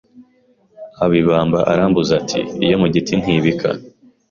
Aba ibamba arambuza Ati:iyo mu igi ntibika